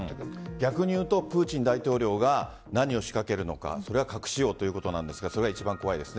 逆にいうとプーチン大統領が何を仕掛けるのかそれは核使用ということですがそれが一番怖いです。